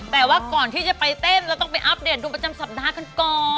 แต่ว่าก่อนที่จะไปเต้นเราต้องไปอัปเดตดูประจำสัปดาห์กันก่อน